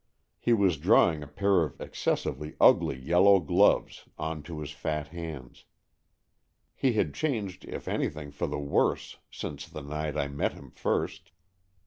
He was drawing a pair of excessively ugly yellow gloves on to his fat hands. He had changed if anything for the worse since the night I met him first.